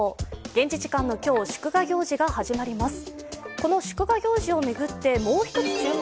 現地時間の今日から祝賀行事が始まります。